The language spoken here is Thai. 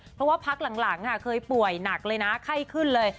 เพราะว่าพักหลังค่ะเคยป่วยหนักเลยนะไข้ขึ้นเลย